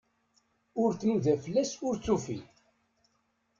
Ur tnuda fell-as, ur t-tufi.